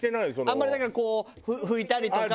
あんまりこう拭いたりとか。